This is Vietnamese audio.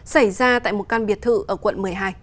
xảy ra tại một căn biệt thự ở quận một mươi hai